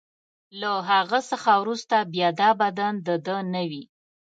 له هغه څخه وروسته بیا دا بدن د ده نه وي.